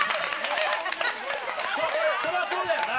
そりゃそうだよな。